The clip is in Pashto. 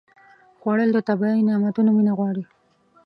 خوړل د طبیعي نعمتونو مینه غواړي